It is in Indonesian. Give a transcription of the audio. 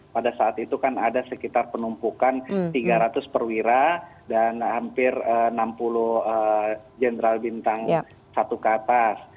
pada saat itu kan ada sekitar penumpukan tiga ratus perwira dan hampir enam puluh jenderal bintang satu ke atas